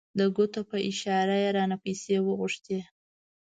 د ګوتو په اشاره یې رانه پیسې وغوښتې.